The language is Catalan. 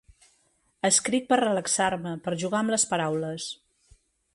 Escric per relaxar-me, per jugar amb les paraules.